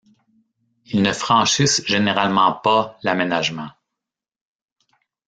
Ils ne franchissent généralement pas l'aménagement.